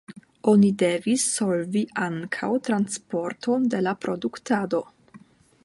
Oni devis solvi ankaŭ transporton de la produktado.